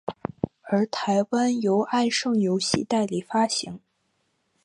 而台湾由爱胜游戏代理发行。